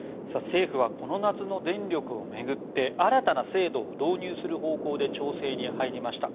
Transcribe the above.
政府はこの夏の電力を巡って新たな制度を導入する方向で調整に入りました。